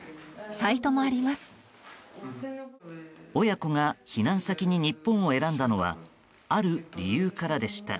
親子が避難先に日本を選んだのはある理由からでした。